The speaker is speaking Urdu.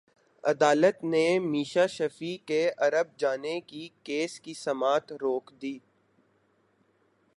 عدالت نے میشا شفیع کے ارب ہرجانے کے کیس کی سماعت روک دی